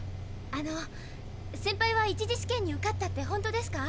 あのセンパイは１次試験に受かったって本当ですか？